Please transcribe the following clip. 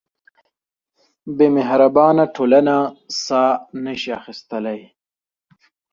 بېمهربانۍ ټولنه ساه نهشي اخیستلی.